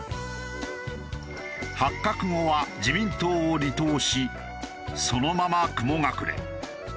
発覚後は自民党を離党しそのまま雲隠れ。